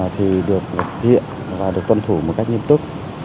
thì được thực hiện và được tuân thủ một cách nghiêm túc